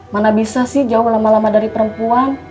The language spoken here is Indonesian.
mana bisa sih jauh lama lama dari perempuan